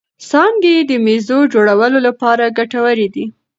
څانګې یې د مېزو جوړولو لپاره ګټورې دي.